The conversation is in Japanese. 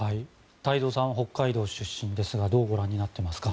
太蔵さん北海道出身ですがどうご覧になっていますか？